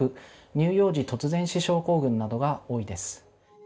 乳幼児突然死症候群などが多いです。